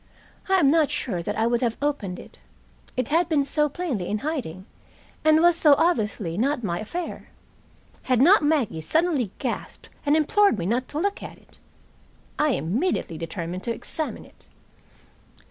I am not sure that I would have opened it it had been so plainly in hiding, and was so obviously not my affair had not Maggie suddenly gasped and implored me not to look at it. I immediately determined to examine it.